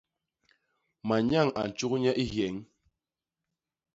Manyañ a ntjuk nye i hyeñ.